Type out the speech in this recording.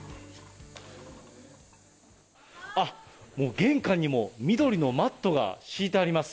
あっ、もう、玄関にも緑のマットが敷いてあります。